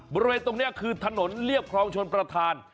บริเวณตรงนี้คือถนนเรียบคลองชนประธาน